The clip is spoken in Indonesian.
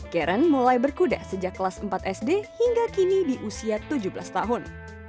karen mulai berkuda sejak kelas empat sd hingga kini di usia tujuh belas tahun